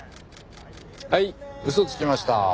はい嘘つきました。